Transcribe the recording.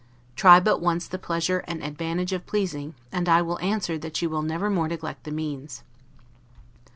Try but once the pleasure and advantage of pleasing, and I will answer that you will never more neglect the means.